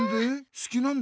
すきなんだろ？